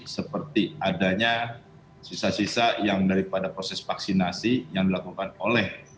seperti adanya sisa sisa yang daripada proses vaksinasi yang dilakukan oleh